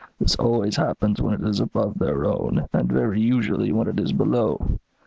This always happens when it is above their own, and very usually when it is below.